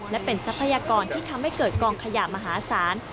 และเป็นทรัพยากรที่ทำให้เกิดกองขยะมหาศาล